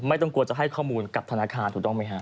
ไม่ต้องกลัวจะให้ข้อมูลกับธนาคารถูกต้องไหมฮะ